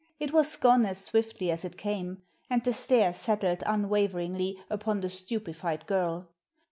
It was gone as swiftly as it came, and the stare settled unwaveringly upon the stupefied girl.